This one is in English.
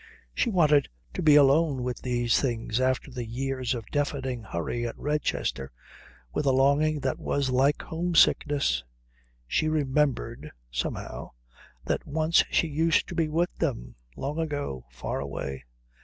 She wanted to be alone with these things after the years of deafening hurry at Redchester with a longing that was like home sickness. She remembered, somehow, that once she used to be with them long ago, far away....